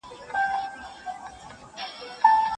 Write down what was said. سبا یې په ګناه په دار ځړېږې شپه په خیر